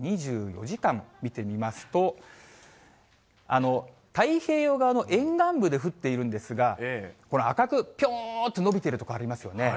２４時間見てみますと、太平洋側の沿岸部で降っているんですが、この赤くぴょーんと伸びている所ありますよね。